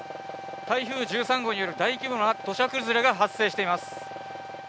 台風１３号による大規模な土砂崩れが発生しています。